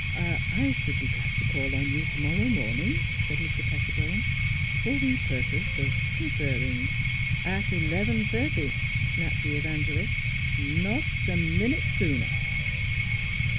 " H'm er, I should be glad to call on you to morrow morning," said Mr. Pettibone, " for the purpose of conferring "" At eleven thirty," snapped the evangelist, " not a minute sooner.